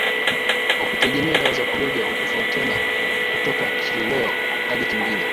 wa kutegemea dawa za kulevya hutofautiana kutoka kileo hadi kingine